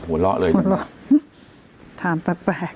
คุณแม่ก็ไม่อยากคิดไปเองหรอก